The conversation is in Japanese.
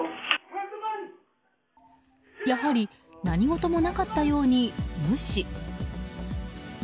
やはり何事もなかったかのように無視。